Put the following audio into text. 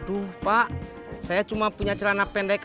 waduh pak saya cuma punya celana pendek aja